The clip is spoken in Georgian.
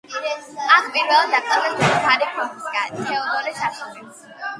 აქ პირველად დაკრძალეს დედოფალი პრასკოვია თეოდორეს ასული.